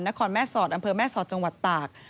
แม่สอดอำเภอแม่สอดจังหวัดตาก